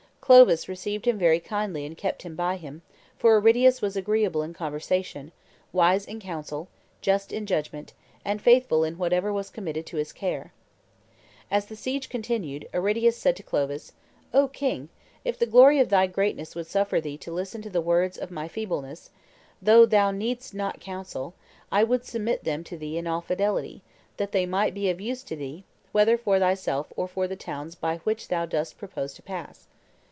Clovis received him very kindly and kept him by him, for Aridius was agreeable in conversation, wise in counsel, just in judgment, and faithful in whatever was committed to his care. As the siege continued, Aridius said to Clovis, "O king, if the glory of thy greatness would suffer thee to listen to the words of my feebleness, though thou needest not counsel, I would submit them to thee in all fidelity, and they might be of use to thee, whether for thyself or for the towns by the which thou dost propose to pass.